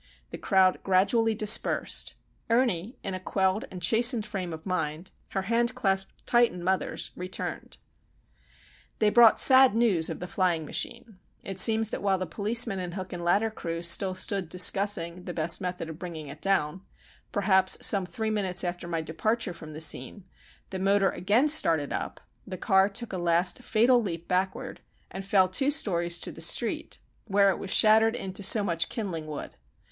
The crowd gradually dispersed. Ernie, in a quelled and chastened frame of mind, her hand clasped tight in mother's, returned. They brought sad news of the flying machine. It seems that while the policemen and hook and ladder crew still stood discussing the best method of bringing it down,—perhaps some three minutes after my departure from the scene,—the motor again started up, the car took a last fatal leap backward, and fell two stories to the street,—where it was shattered into so much kindling wood.